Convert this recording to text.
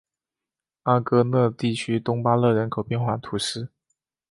阿戈讷地区东巴勒人口变化图示